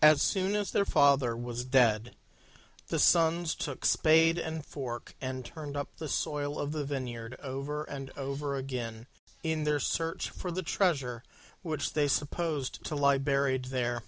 As soon as their father was dead, the Sons took spade and fork and turned up the soil of the vineyard over and over again, in their search for the treasure which they supposed to lie buried there.